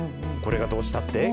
これがどうしたって？